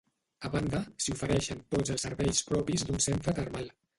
A banda, s'hi ofereixen tots els serveis propis d'un centre termal.